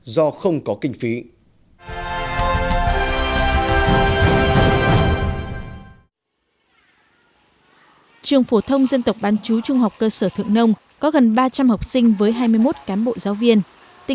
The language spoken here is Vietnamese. do không có kinh phí